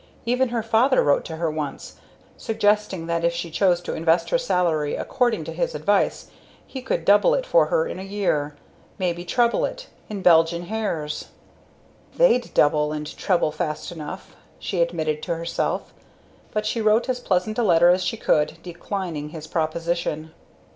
Even her father wrote to her once, suggesting that if she chose to invest her salary according to his advice he could double it for her in a year, maybe treble it, in Belgian hares. "They'd double and treble fast enough!" she admitted to herself; but she wrote as pleasant a letter as she could, declining his proposition.